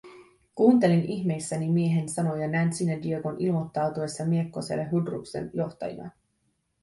Kuuntelin ihmeissäni miehen sanoja Nancyn ja Diegon ilmoittautuessa miekkoselle Hydruksen johtajina.